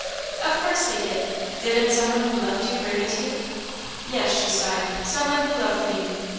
"Of course they did. Didn't some one who loved you bring it to you?" "Yes," she sighed, "some one who loved me."